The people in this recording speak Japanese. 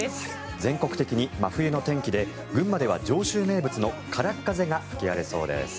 全国的に真冬の天気で群馬では上州名物の空っ風が吹き荒れそうです。